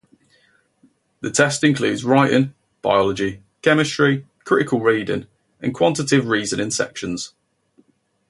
The test includes Writing, Biology, Chemistry, Critical reading, and Quantitative Reasoning sections.